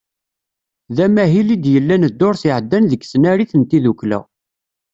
D amahil i d-yellan ddurt iɛeddan deg tnarit n tiddukla.